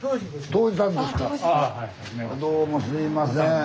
どうもすいません。